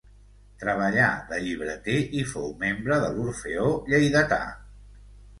Treballà de llibreter i fou membre de l'Orfeó Lleidatà.